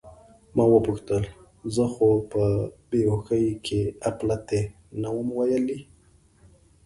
ما وپوښتل: زه خو به په بې هوښۍ کې اپلتې نه وم ویلي؟